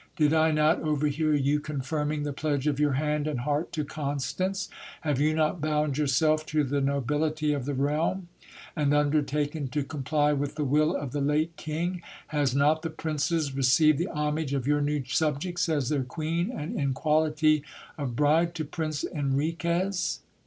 Did I not overhear you confirming the pledge of your hand and heart to Constance ? Have you not bound yourself to the nobility of the realm, and undertaken to comply with the will of the late king? Has not the princess received the homage of your new subjects as their queen, and in quality of bride to Prince Enriquez